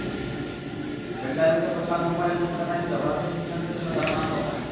বেঙ্গালুরুতে গতকাল রোববারের দুপুরটা তাই ছিল ভারতীয় ক্রিকেটারদের জন্য দারুণ আনন্দময়।